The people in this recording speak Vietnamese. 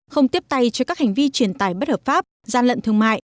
không tiếp tay cho các hành vi truyền tài bất hợp pháp gian lận thương mại